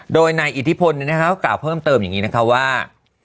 โดยนายอิทธิพลกล่าวเพิ่มเติมอย่างนี้นะคะว่า